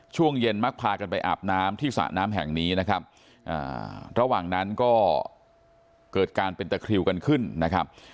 ช่วงเย็นมักพากันไปอาบน้ำที่สระน้ำแห่งนี้นะครับระหว่างนั้นก็เกิดการเป็นตะคริวกันขึ้นนะครับ